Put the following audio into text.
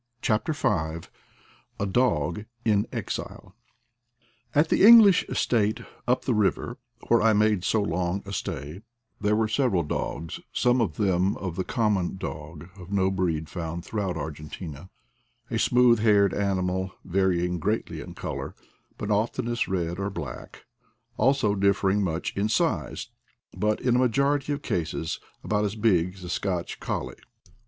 CHAPTER V A DOG IN EXILE AT the English estate up the river, where I made so long a stay, there were several dogs, some of them of the common dog of no breed found throughout Argentina, a smooth haired animal, varying greatly in color, but oftenest red or black; also differing much in size, but in a majority of cases about as big as a Scotch colley.